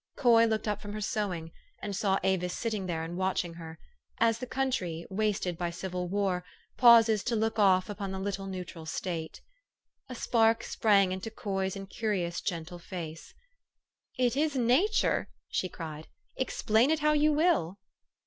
Coy looked up from her sewing, and saw Avis sit ting there, and watching her ; as the country, wasted by civil war, pauses to look off upon the little neu tral state. A spark sprang into Coy's incurious, gentle face. "It is nature!" she cried. " Explain it how you will."